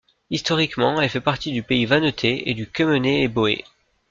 Historiquement, elle fait partie du pays vannetais et du Kemenet-Héboé.